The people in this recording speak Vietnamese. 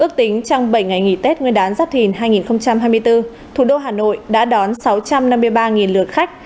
ước tính trong bảy ngày nghỉ tết nguyên đán giáp thìn hai nghìn hai mươi bốn thủ đô hà nội đã đón sáu trăm năm mươi ba lượt khách